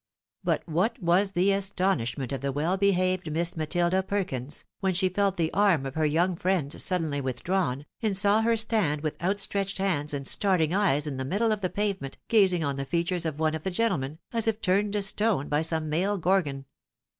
But what was the astonishment of the well behaved Miss Matilda Perkins, when she felt the arni of her young friend suddenly withdrawn, and saw her stand with outstretched hands and starting eyes on the middle of the pavement, gazing On the features of one of the gentlemen, as if turned to stone by some male gorgon.